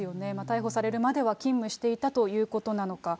逮捕されるまでは勤務していたということなのか。